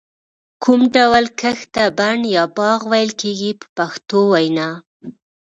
کوم ډول کښت ته بڼ یا باغ ویل کېږي په پښتو وینا.